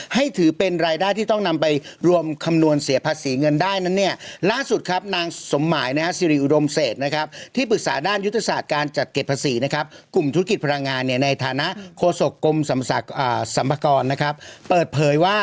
ให้ถือเป็นรายได้ที่ต้องนำไปรวมคำนวณเสียภาษีเงินได้นั้นเนี่ย